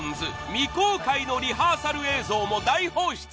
未公開のリハーサル映像も大放出！